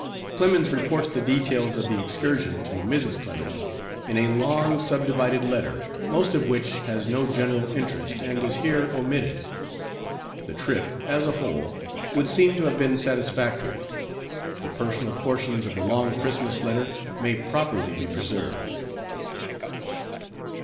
Clemens reports the details of the excursion to Mrs. Clemens in a long subdivided letter, most of which has no general interest and is here omitted. The trip, as a whole, would seem to have been satisfactory. The personal portions of the long Christmas letter may properly be preserved.